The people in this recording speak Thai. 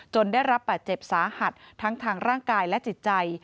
ได้รับบาดเจ็บสาหัสทั้งทางร่างกายและจิตใจ